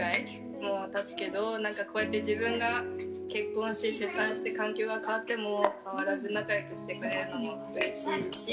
もうたつけどこうやって自分が結婚して出産して環境が変わっても変わらず仲よくしてくれるのもうれしいし。